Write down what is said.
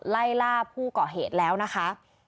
ไล่ล่าผู้เกาะเหตุแล้วนะคะ